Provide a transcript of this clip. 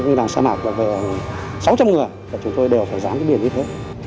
như là xã mạc gần sáu trăm linh người chúng tôi đều phải rán cái biển như thế